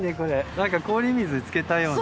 なんか氷水につけたような。